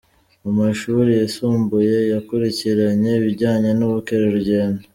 Mu mashuri yisumbuye yakurikiranye ibijyanye n’ubukerarugendo.